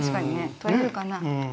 取れるかな？